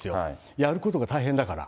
やることが大変だから。